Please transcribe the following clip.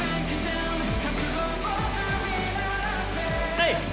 はい！